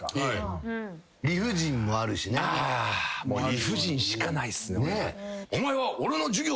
理不尽しかないっすね俺は。